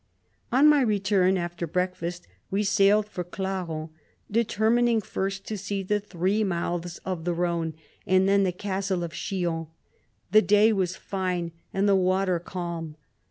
On my return, after breakfast, we sailed for Clarens, determining first to see the three mouths of the Rhone, and then the castle of Chillon ; the day was fine, and the water calm.